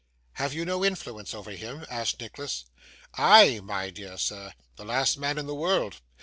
'Have you no influence over him?' asked Nicholas. 'I, my dear sir! The last man in the world.